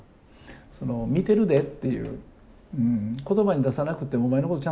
その「見てるで」っていう「言葉に出さなくてもお前のことちゃんと見てるで」っていうね。